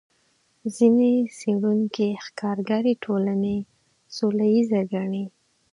ځینې څېړونکي ښکارګرې ټولنې سوله ییزې ګڼي.